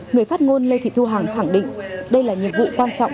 người phát ngôn lê thị thu hằng khẳng định đây là nhiệm vụ quan trọng